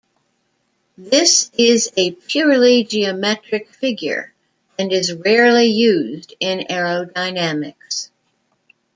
This is a purely geometric figure and is rarely used in aerodynamics.